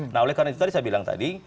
nah oleh karena itu tadi saya bilang tadi